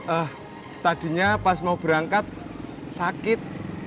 eh tadinya pas mau berangkat sakit